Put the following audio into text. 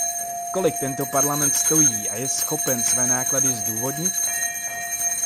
Kolik tento Parlament stojí a je schopen své náklady zdůvodnit?